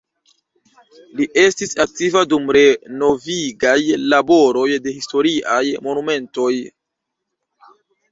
Li estis aktiva dum renovigaj laboroj de historiaj monumentoj.